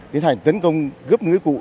tiến hành tấn công gấp núi cụ